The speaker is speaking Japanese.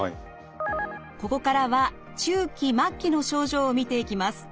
ここからは中期末期の症状を見ていきます。